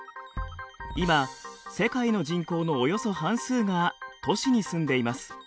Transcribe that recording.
今世界の人口のおよそ半数が都市に住んでいます。